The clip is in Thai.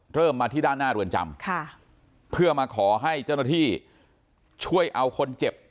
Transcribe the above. เริ่มมาที่ด้านหน้าเรือนจำเพื่อมาขอให้เจ้าหน้าที่ช่วยเอาคนเจ็บ